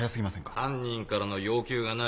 犯人からの要求がない